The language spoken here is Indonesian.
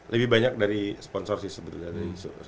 lebih banyak dari sponsor sih sebenarnya